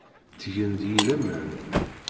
Ttgen deg-i laman.